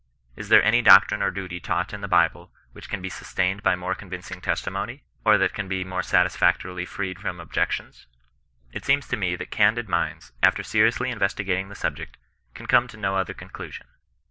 Is there any doctrine or duty taught in the Bible, which can be sustained by more convincing testimony i Or that can be more satisfactorily freed from objections ] It seems to me that candid minds, after seriously investi gating the subject, can come to no other conclusion.